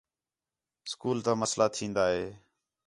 اسکول تا مسئلہ تِھین٘دا ہِے